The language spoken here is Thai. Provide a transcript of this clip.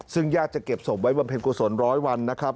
ซึ่งญาติจะเก็บศพไว้บำเพ็ญกุศลร้อยวันนะครับ